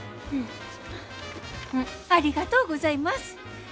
ありがとうございます。